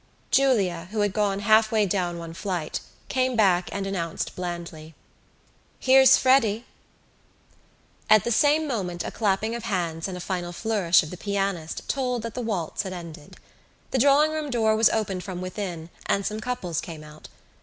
Julia, who had gone half way down one flight, came back and announced blandly: "Here's Freddy." At the same moment a clapping of hands and a final flourish of the pianist told that the waltz had ended. The drawing room door was opened from within and some couples came out.